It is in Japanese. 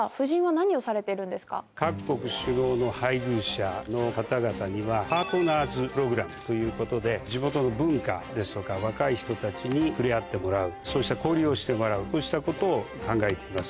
各国首脳の配偶者の方々には。ということで地元の文化ですとか若い人たちに触れ合ってもらうそうした交流をしてもらうこうしたことを考えています。